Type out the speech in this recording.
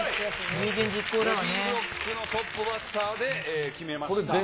Ｂブロックのトップバッターで決めました。